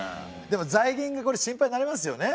でも財源がこれ心配になりますよね。